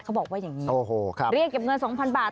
เขาบอกว่าอย่างนี้เรียกเก็บเงิน๒๐๐บาท